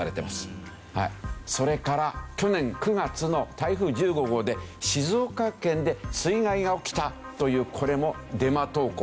それから去年９月の台風１５号で静岡県で水害が起きたというこれもデマ投稿ですね。